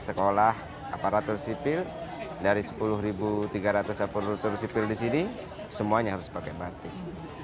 sekolah aparatur sipil dari sepuluh tiga ratus aparatur sipil di sini semuanya harus pakai batik